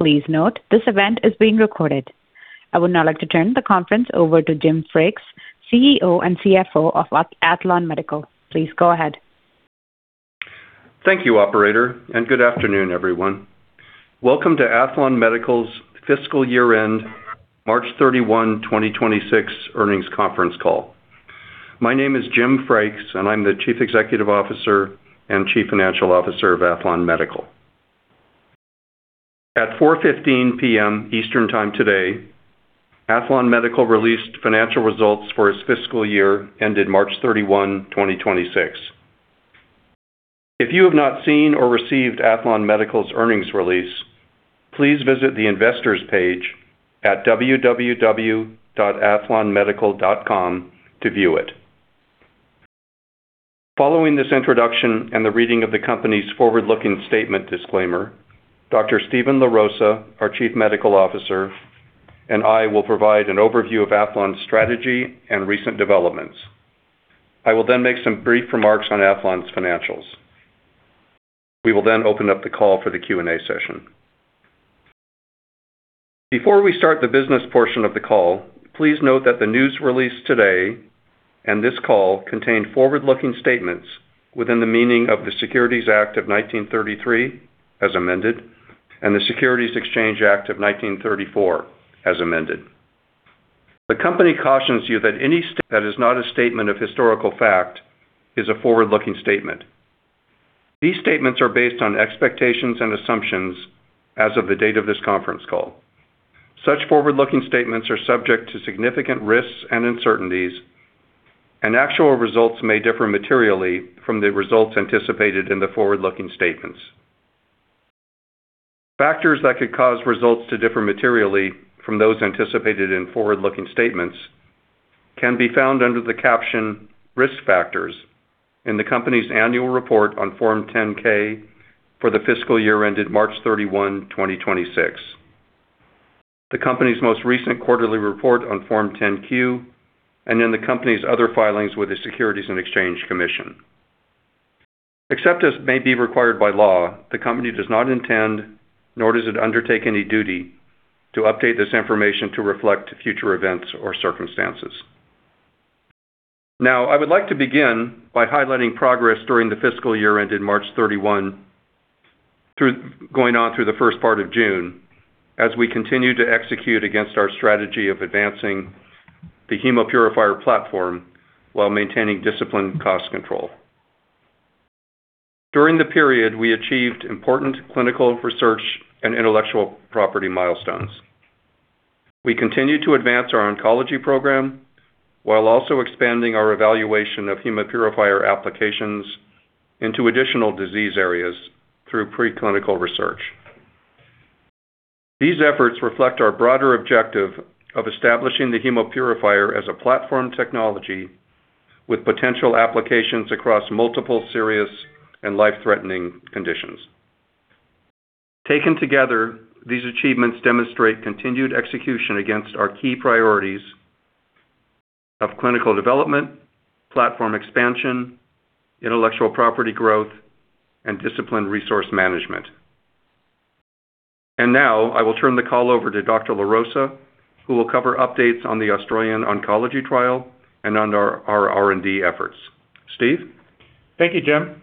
Please note this event is being recorded. I would now like to turn the conference over to Jim Frakes, CEO and CFO of Aethlon Medical. Please go ahead. Thank you, operator. Good afternoon, everyone. Welcome to Aethlon Medical's fiscal year-end, March 31, 2026 earnings conference call. My name is Jim Frakes, and I'm the Chief Executive Officer and Chief Financial Officer of Aethlon Medical. At 4:15 P.M. Eastern Time today, Aethlon Medical released financial results for its fiscal year ended March 31, 2026. If you have not seen or received Aethlon Medical's earnings release, please visit the investors page at www.aethlonmedical.com to view it. Following this introduction and the reading of the company's forward-looking statement disclaimer, Dr. Steven LaRosa, our Chief Medical Officer, and I will provide an overview of Aethlon's strategy and recent developments. I will then make some brief remarks on Aethlon's financials. We will open up the call for the Q&A session. Before we start the business portion of the call, please note that the news release today and this call contain forward-looking statements within the meaning of the Securities Act of 1933, as amended. The Securities Exchange Act of 1934, as amended. The company cautions you that any state that is not a statement of historical fact is a forward-looking statement. These statements are based on expectations and assumptions as of the date of this conference call. Such forward-looking statements are subject to significant risks and uncertainties. Actual results may differ materially from the results anticipated in the forward-looking statements. Factors that could cause results to differ materially from those anticipated in forward-looking statements can be found under the caption "Risk Factors" in the company's annual report on Form 10-K for the fiscal year ended March 31, 2026, the company's most recent quarterly report on Form 10-Q, and in the company's other filings with the Securities and Exchange Commission. Except as may be required by law, the company does not intend, nor does it undertake any duty, to update this information to reflect future events or circumstances. I would like to begin by highlighting progress during the fiscal year ended March 31, going on through the first part of June, as we continue to execute against our strategy of advancing the Hemopurifier platform while maintaining disciplined cost control. During the period, we achieved important clinical research and intellectual property milestones. We continued to advance our oncology program while also expanding our evaluation of Hemopurifier applications into additional disease areas through preclinical research. These efforts reflect our broader objective of establishing the Hemopurifier as a platform technology with potential applications across multiple serious and life-threatening conditions. Taken together, these achievements demonstrate continued execution against our key priorities of clinical development, platform expansion, intellectual property growth, and disciplined resource management. Now I will turn the call over to Dr. LaRosa, who will cover updates on the Australian oncology trial and on our R&D efforts. Steve? Thank you, Jim.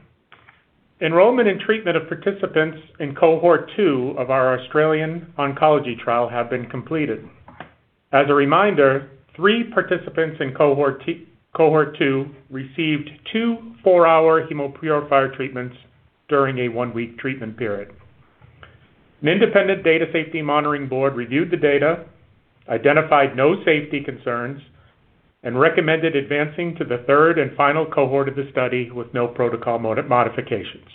Enrollment and treatment of participants in cohort 2 of our Australian oncology trial have been completed. As a reminder, three participants in cohort 2 received two four-hour Hemopurifier treatments during a one-week treatment period. An independent data safety monitoring board reviewed the data, identified no safety concerns, and recommended advancing to the third and final cohort of the study with no protocol modifications.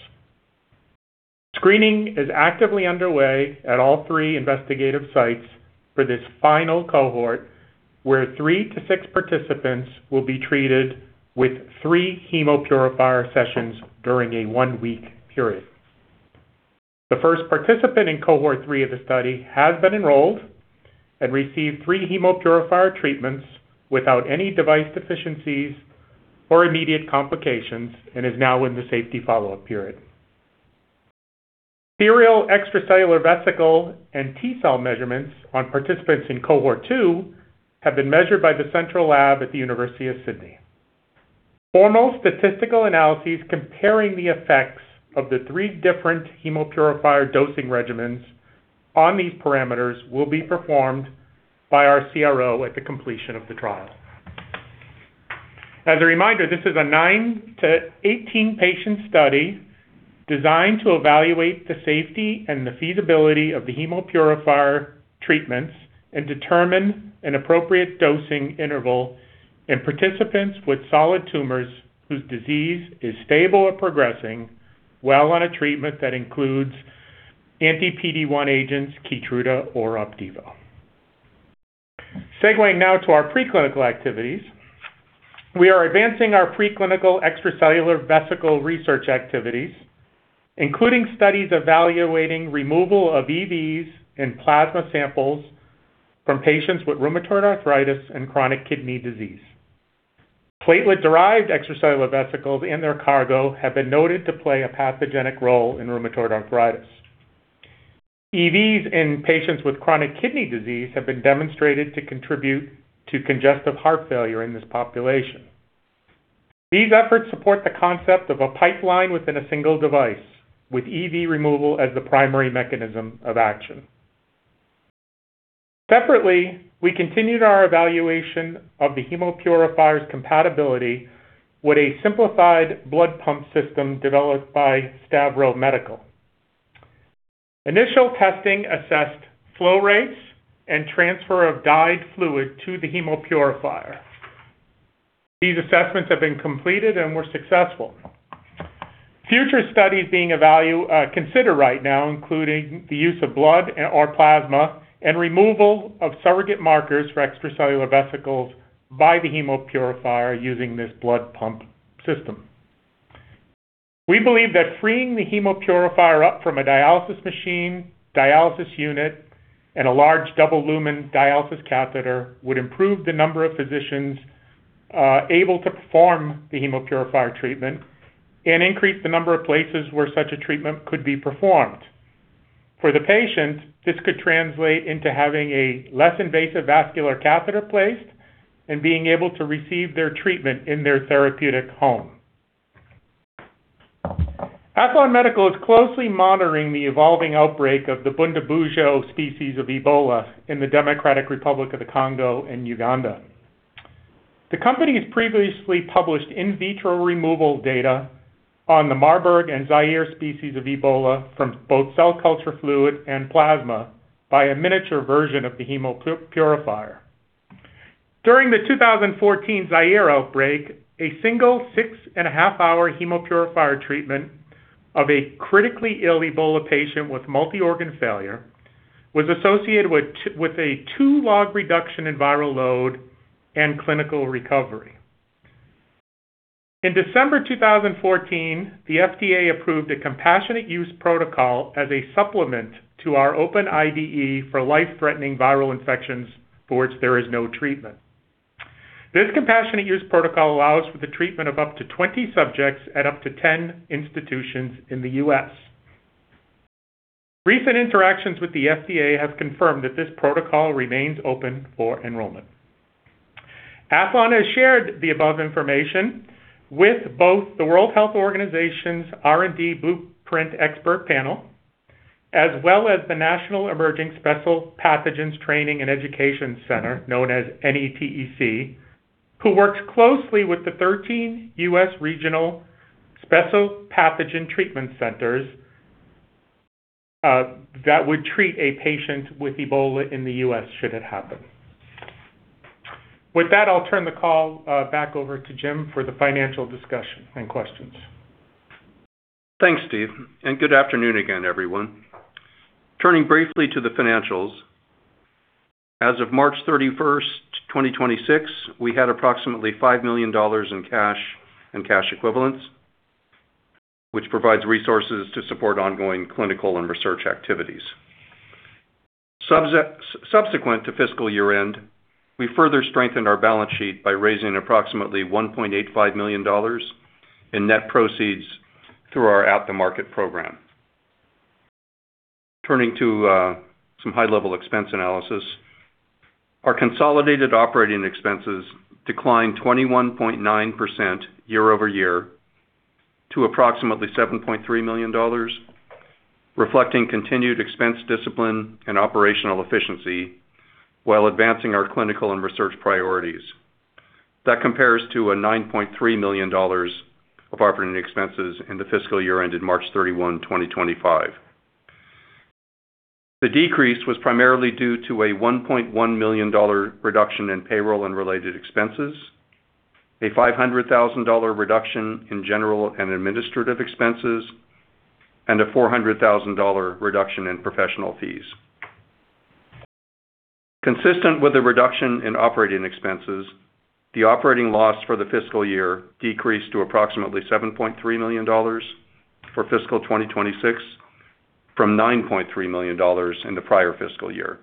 Screening is actively underway at all three investigative sites for this final cohort, where three to six participants will be treated with three Hemopurifier sessions during a one-week period. The first participant in cohort 3 of the study has been enrolled and received three Hemopurifier treatments without any device deficiencies or immediate complications and is now in the safety follow-up period. Serial extracellular vesicle and T cell measurements on participants in cohort 2 have been measured by the central lab at the University of Sydney. Formal statistical analyses comparing the effects of the three different Hemopurifier dosing regimens on these parameters will be performed by our CRO at the completion of the trial. As a reminder, this is a nine to 18-patient study designed to evaluate the safety and the feasibility of the Hemopurifier treatments and determine an appropriate dosing interval in participants with solid tumors whose disease is stable or progressing while on a treatment that includes anti-PD-1 agents, KEYTRUDA or Opdivo. Segueing now to our preclinical activities. We are advancing our preclinical extracellular vesicle research activities, including studies evaluating removal of EVs and plasma samples from patients with rheumatoid arthritis and chronic kidney disease. Platelet-derived extracellular vesicles and their cargo have been noted to play a pathogenic role in rheumatoid arthritis. EVs in patients with chronic kidney disease have been demonstrated to contribute to congestive heart failure in this population. These efforts support the concept of a pipeline within a single device, with EV removal as the primary mechanism of action. Separately, I continued our evaluation of the Hemopurifier's compatibility with a simplified blood pump system developed by Stavro Medical. Initial testing assessed flow rates and transfer of dyed fluid to the Hemopurifier. These assessments have been completed and were successful. Future studies being considered right now include the use of blood or plasma and removal of surrogate markers for extracellular vesicles by the Hemopurifier using this blood pump system. We believe that freeing the Hemopurifier up from a dialysis machine, dialysis unit, and a large double-lumen dialysis catheter would improve the number of physicians able to perform the Hemopurifier treatment and increase the number of places where such a treatment could be performed. For the patient, this could translate into having a less invasive vascular catheter placed and being able to receive their treatment in their therapeutic home. Aethlon Medical is closely monitoring the evolving outbreak of the Bundibugyo species of Ebola in the Democratic Republic of the Congo and Uganda. The company has previously published in vitro removal data on the Marburg and Zaire species of Ebola from both cell culture fluid and plasma by a miniature version of the Hemopurifier. During the 2014 Zaire outbreak, a single six and a half-hour Hemopurifier treatment of a critically ill Ebola patient with multi-organ failure was associated with a two-log reduction in viral load and clinical recovery. In December 2014, the FDA approved a compassionate use protocol as a supplement to our open IDE for life-threatening viral infections for which there is no treatment. This compassionate use protocol allows for the treatment of up to 20 subjects at up to 10 institutions in the U.S. Recent interactions with the FDA have confirmed that this protocol remains open for enrollment. Aethlon has shared the above information with both the World Health Organization's R&D Blueprint expert panel, as well as the National Emerging Special Pathogens Training and Education Center, known as NETEC, who works closely with the 13 U.S. regional special pathogen treatment centers that would treat a patient with Ebola in the U.S. should it happen. With that, I'll turn the call back over to Jim for the financial discussion and questions. Thanks, Steve, and good afternoon again, everyone. Turning briefly to the financials, as of March 31st, 2026, we had approximately $5 million in cash and cash equivalents, which provides resources to support ongoing clinical and research activities. Subsequent to fiscal year-end, we further strengthened our balance sheet by raising approximately $1.85 million in net proceeds through our at-the-market program. Turning to some high-level expense analysis, our consolidated operating expenses declined 21.9% year-over-year to approximately $7.3 million, reflecting continued expense discipline and operational efficiency while advancing our clinical and research priorities. That compares to a $9.3 million of operating expenses in the fiscal year ended March 31, 2025. The decrease was primarily due to a $1.1 million reduction in payroll and related expenses, a $500,000 reduction in general and administrative expenses, and a $400,000 reduction in professional fees. Consistent with the reduction in operating expenses, the operating loss for the fiscal year decreased to approximately $7.3 million for fiscal 2026 from $9.3 million in the prior fiscal year.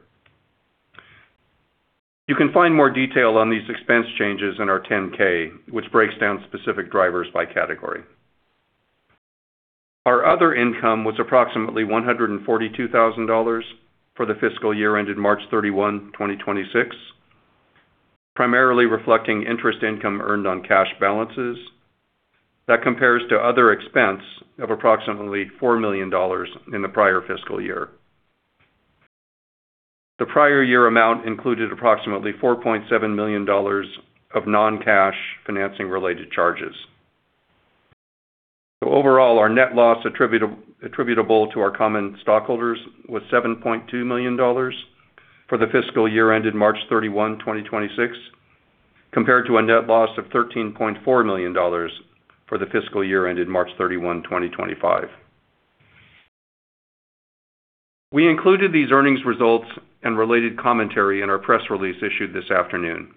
You can find more detail on these expense changes in our 10-K, which breaks down specific drivers by category. Our other income was approximately $142,000 for the fiscal year ended March 31, 2026, primarily reflecting interest income earned on cash balances. That compares to other expense of approximately $4 million in the prior fiscal year. The prior year amount included approximately $4.7 million of non-cash financing-related charges. Overall, our net loss attributable to our common stockholders was $7.2 million for the fiscal year ended March 31, 2026, compared to a net loss of $13.4 million for the fiscal year ended March 31, 2025. We included these earnings results and related commentary in our press release issued this afternoon.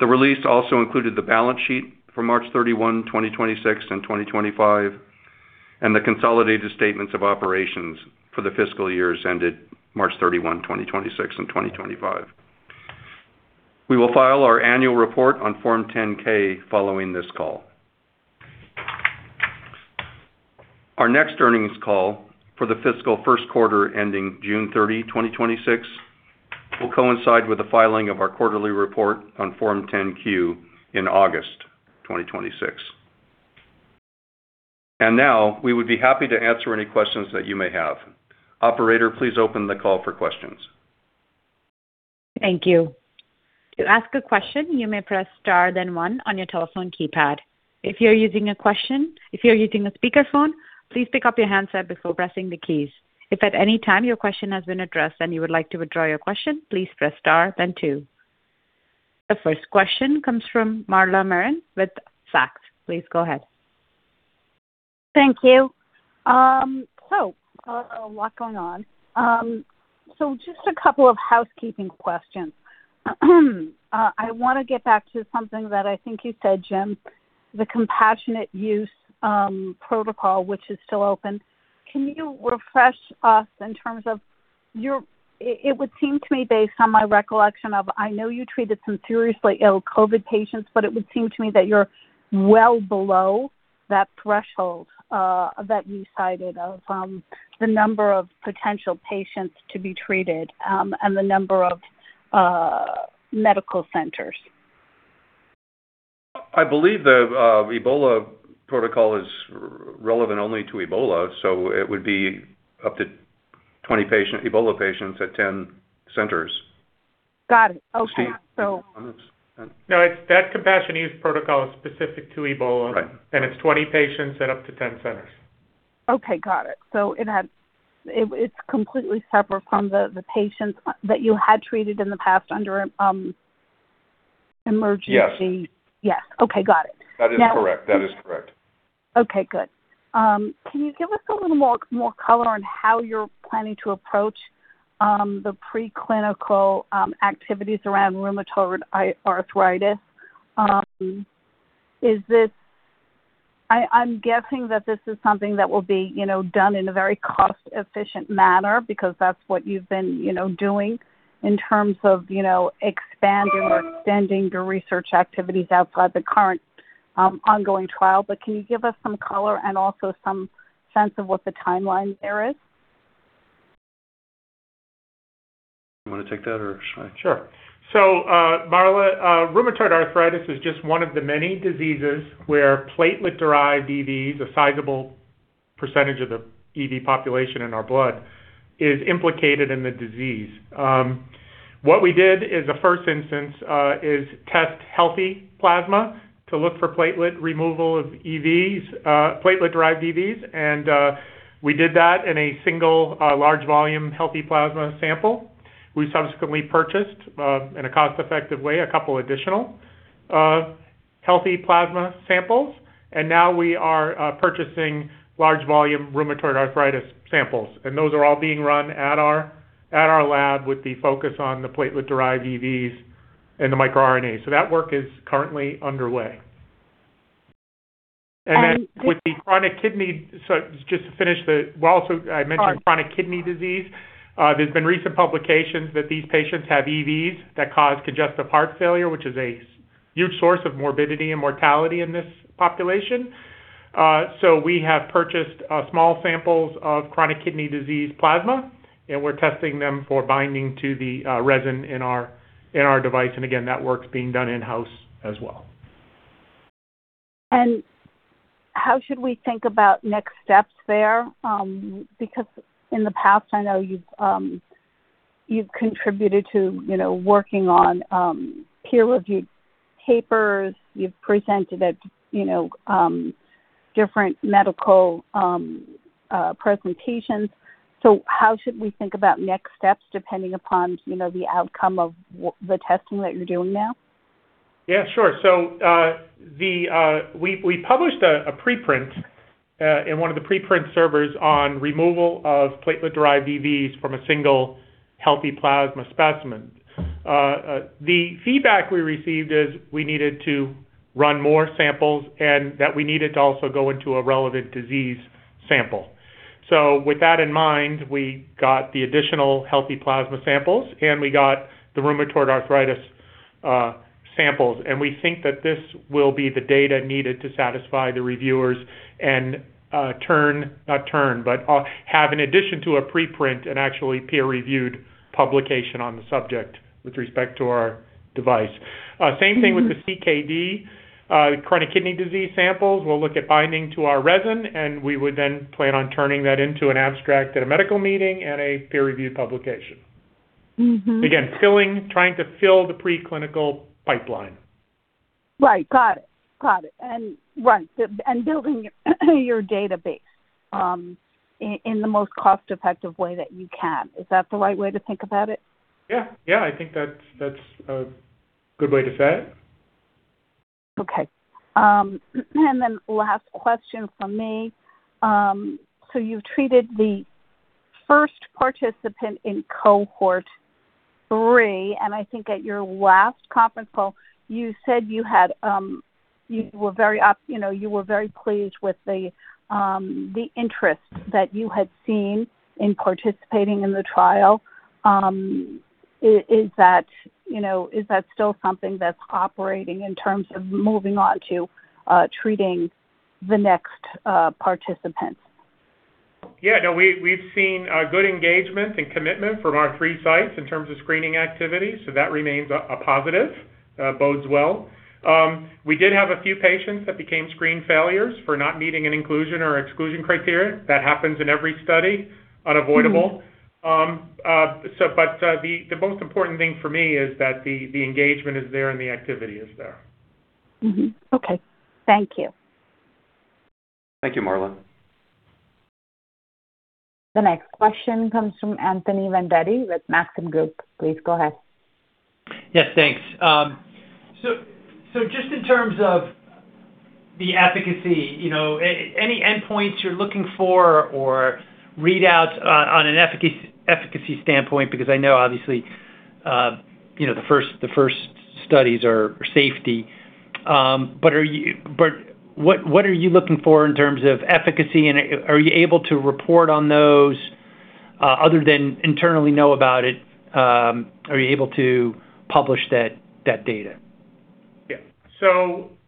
The release also included the balance sheet for March 31, 2026 and 2025. The consolidated statements of operations for the fiscal years ended March 31, 2026, and 2025. We will file our annual report on Form 10-K following this call. Our next earnings call for the fiscal first quarter ending June 30, 2026, will coincide with the filing of our quarterly report on Form 10-Q in August 2026. Now, we would be happy to answer any questions that you may have. Operator, please open the call for questions. Thank you. To ask a question, you may press star then one on your telephone keypad. If you're using a speakerphone, please pick up your handset before pressing the keys. If at any time your question has been addressed and you would like to withdraw your question, please press star then two. The first question comes from Marla Marin with Zacks. Please go ahead. Thank you. A lot going on. Just a couple of housekeeping questions. I want to get back to something that I think you said, Jim, the compassionate use protocol, which is still open. Can you refresh us in terms of It would seem to me, based on my recollection of, I know you treated some seriously ill COVID patients, but it would seem to me that you're well below that threshold that you cited of the number of potential patients to be treated, and the number of medical centers. I believe the Ebola protocol is relevant only to Ebola, so it would be up to 20 Ebola patients at 10 centers. Got it. Okay. Steve, do you want to No, that compassion use protocol is specific to Ebola. Right. It's 20 patients at up to 10 centers. Okay, got it. It's completely separate from the patients that you had treated in the past under emergency. Yes. Yes. Okay, got it. That is correct. Okay, good. Can you give us a little more color on how you're planning to approach the preclinical activities around rheumatoid arthritis? I'm guessing that this is something that will be done in a very cost-efficient manner, because that's what you've been doing in terms of expanding or extending your research activities outside the current ongoing trial. Can you give us some color and also some sense of what the timeline there is? You want to take that or should I? Sure. Marla, rheumatoid arthritis is just one of the many diseases where platelet-derived EVs, a sizable percentage of the EV population in our blood, is implicated in the disease. What we did is a first instance is test healthy plasma to look for platelet removal of EVs, platelet-derived EVs, and we did that in a single large volume healthy plasma sample. We subsequently purchased, in a cost-effective way, a couple additional healthy plasma samples, and now we are purchasing large volume rheumatoid arthritis samples, and those are all being run at our lab with the focus on the platelet-derived EVs and the microRNA. That work is currently underway. With the chronic kidney, We also, I mentioned chronic kidney disease. There's been recent publications that these patients have EVs that cause congestive heart failure, which is a huge source of morbidity and mortality in this population. We have purchased small samples of chronic kidney disease plasma, and we're testing them for binding to the resin in our device. Again, that work's being done in-house as well. How should we think about next steps there? In the past, I know you've contributed to working on peer-reviewed papers. You've presented at different medical presentations. How should we think about next steps depending upon the outcome of the testing that you're doing now? Yeah, sure. We published a preprint in one of the preprint servers on removal of platelet-derived EVs from a single healthy plasma specimen. The feedback we received is we needed to run more samples and that we needed to also go into a relevant disease sample. With that in mind, we got the additional healthy plasma samples, and we got the rheumatoid arthritis samples, and we think that this will be the data needed to satisfy the reviewers and have an addition to a preprint, an actually peer-reviewed publication on the subject with respect to our device. Same thing with the CKD, chronic kidney disease samples. We'll look at binding to our resin, we would then plan on turning that into an abstract at a medical meeting and a peer-reviewed publication. Again, trying to fill the preclinical pipeline. Right. Got it. Building your database in the most cost-effective way that you can. Is that the right way to think about it? Yeah. I think that's a good way to say it. Okay. Then last question from me. You've treated the first participant in cohort 3, and I think at your last conference call, you said you were very pleased with the interest that you had seen in participating in the trial. Is that still something that's operating in terms of moving on to treating the next participants? Yeah, no, we've seen good engagement and commitment from our three sites in terms of screening activity, that remains a positive, bodes well. We did have a few patients that became screen failures for not meeting an inclusion or exclusion criteria. That happens in every study. Unavoidable. The most important thing for me is that the engagement is there and the activity is there. Okay. Thank you. Thank you, Marla. The next question comes from Anthony Vendetti with Maxim Group. Please go ahead. Yes, thanks. Just in terms of the efficacy, any endpoints you're looking for or readouts on an efficacy standpoint? Because I know, obviously, the first studies are safety. What are you looking for in terms of efficacy, and are you able to report on those, other than internally know about it, are you able to publish that data? Yeah.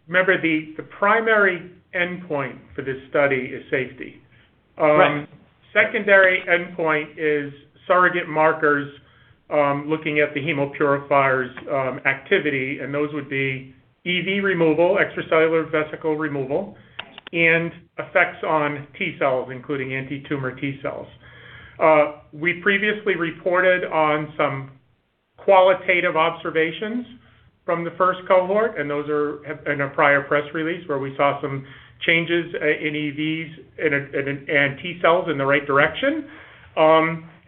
Remember, the primary endpoint for this study is safety. Right. Secondary endpoint is surrogate markers, looking at the Hemopurifier's activity, and those would be EV removal, extracellular vesicle removal, and effects on T cells, including anti-tumor T cells. We previously reported on some qualitative observations from the first cohort, and those are in a prior press release where we saw some changes in EVs and in T cells in the right direction.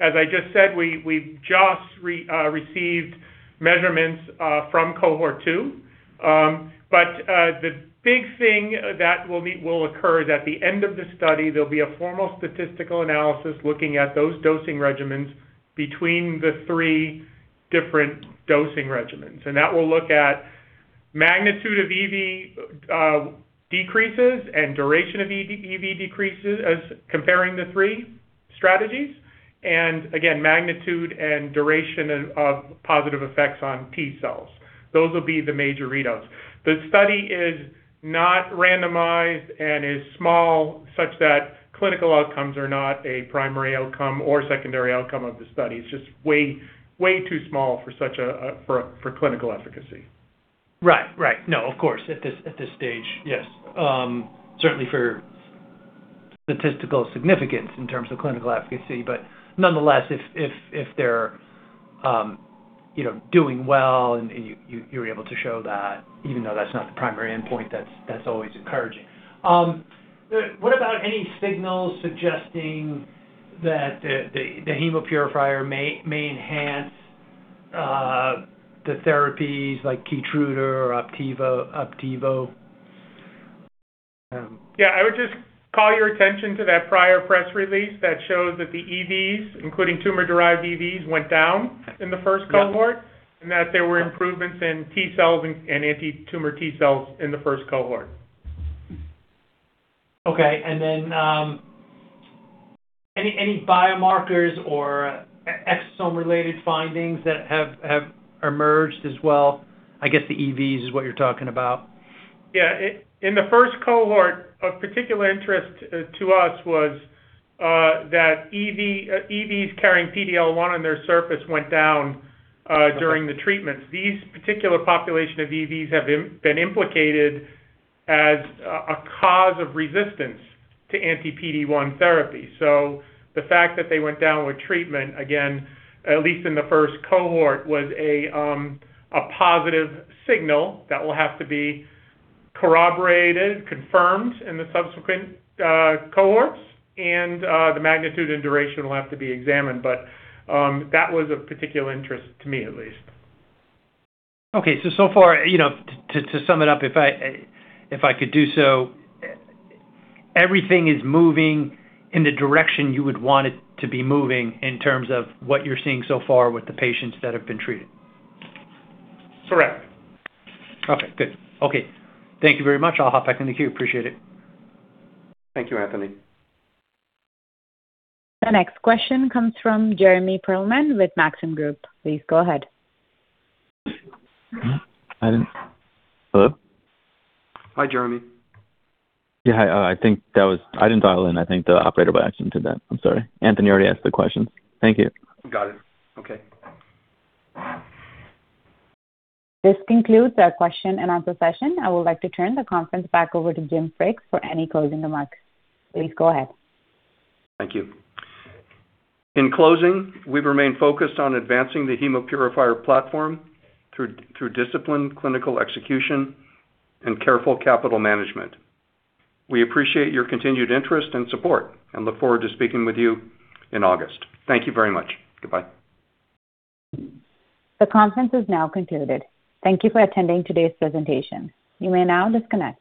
As I just said, we've just received measurements from cohort 2. The big thing that will occur is at the end of the study, there'll be a formal statistical analysis looking at those dosing regimens between the three different dosing regimens. That will look at magnitude of EV decreases and duration of EV decreases as comparing the three strategies, and again, magnitude and duration of positive effects on T cells. Those will be the major readouts. The study is not randomized and is small, such that clinical outcomes are not a primary outcome or secondary outcome of the study. It's just way too small for clinical efficacy. Right. No, of course, at this stage, yes. Certainly for statistical significance in terms of clinical efficacy, but nonetheless, if they're doing well and you're able to show that, even though that's not the primary endpoint, that's always encouraging. What about any signals suggesting that the Hemopurifier may enhance the therapies like KEYTRUDA or Opdivo? I would just call your attention to that prior press release that shows that the EVs, including tumor-derived EVs, went down in the first cohort. Yeah that there were improvements in T cells and anti-tumor T cells in the first cohort. Okay, any biomarkers or exosome-related findings that have emerged as well? I guess the EVs is what you're talking about. In the first cohort, of particular interest to us was that EVs carrying PD-L1 on their surface went down during the treatments. These particular population of EVs have been implicated as a cause of resistance to anti-PD-1 therapy. The fact that they went down with treatment, again, at least in the first cohort, was a positive signal that will have to be corroborated, confirmed in the subsequent cohorts and the magnitude and duration will have to be examined. That was of particular interest to me, at least. Okay. So far, to sum it up, if I could do so, everything is moving in the direction you would want it to be moving in terms of what you're seeing so far with the patients that have been treated? Correct. Okay, good. Okay. Thank you very much. I'll hop back in the queue. Appreciate it. Thank you, Anthony. The next question comes from Jeremy Pearlman with Maxim Group. Please go ahead. Hello? Hi, Jeremy. Yeah. I didn't dial in. I think the operator by accident did that. I'm sorry. Anthony already asked the question. Thank you. Got it. Okay. This concludes our question and answer session. I would like to turn the conference back over to Jim Frakes for any closing remarks. Please go ahead. Thank you. In closing, we remain focused on advancing the Hemopurifier platform through disciplined clinical execution and careful capital management. We appreciate your continued interest and support and look forward to speaking with you in August. Thank you very much. Goodbye. The conference is now concluded. Thank you for attending today's presentation. You may now disconnect.